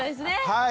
はい。